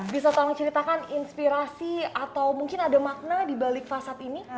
bisa tolong ceritakan inspirasi atau mungkin ada makna dibalik fasad ini